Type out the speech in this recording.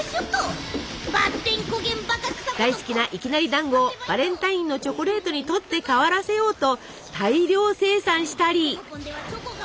大好きないきなりだんごをバレンタインのチョコレートに取って代わらせようと大量生産したり。